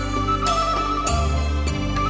ตอนต่อไป